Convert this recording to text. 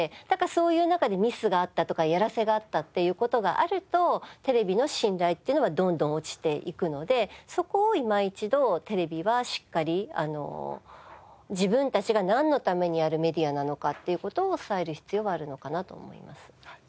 だからそういう中でミスがあったとかやらせがあったっていう事があるとテレビの信頼っていうのはどんどん落ちていくのでそこをいま一度テレビはしっかり自分たちがなんのためにあるメディアなのかっていう事を伝える必要があるのかなと思います。